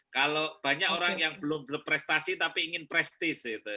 kalau banyak orang yang belum berprestasi tapi ingin prestis